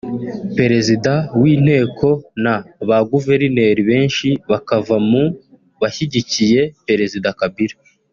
Perezida w’inteko na ba Guverineri benshi bakava mu bashyigikiye Perezida Kabila